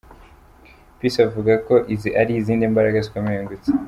Peace avuga ko izi ari izindi mbaraga zikomeye yungutse.